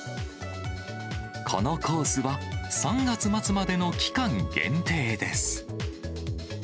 このコースは、３月末までの期間限定です。